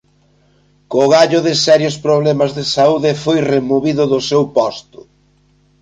Co gallo de serios problemas de saúde foi removido do seu posto.